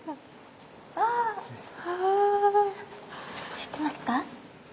知ってますか？